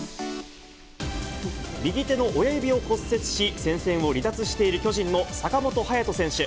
右手の親指を骨折し、戦線を離脱している巨人の坂本勇人選手。